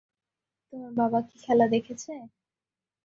তোমার বাবা কি খেলা দেখেছে?